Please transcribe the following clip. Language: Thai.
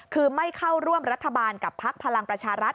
คือไม่เข้าร่วมรัฐบาลกับพักพลังประชารัฐ